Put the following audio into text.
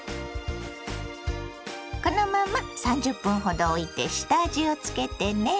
このまま３０分ほどおいて下味をつけてね。